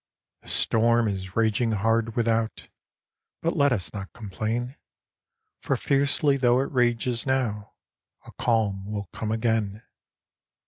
The storm is raging hard, without; But let us not complain, For fiercely tho' it rages now, A calm will come again.